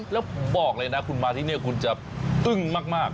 แล้วบอกเลยนะคุณมาที่นี่คุณจะอึ้งมาก